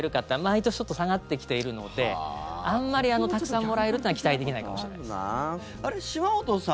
毎年ちょっと下がってきているのであんまりたくさんもらえるというのは期待できないかもしれないです。